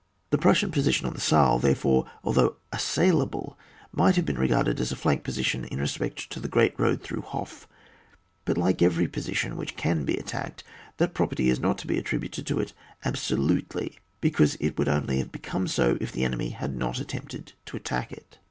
The Prussian position on the Saal, therefore, although assailable, might have been regarded as a flank position in respect to the great road through Hof ; but like every position which can be at tacked, that property is not to be attri buted to it abscdutely, because it would only have become so if the enemy had not attempted to attack it.